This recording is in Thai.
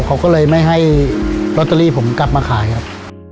เขาก็เลยไม่ให้ลอตเตอรี่ผมกลับมาขายครับ